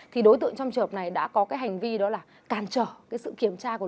thì đối tượng trong trường hợp này đã có cái hành vi đó là cản trở cái sự kiểm tra của